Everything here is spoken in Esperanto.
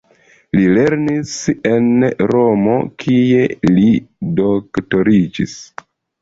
Li lernis en Romo, kie li doktoriĝis.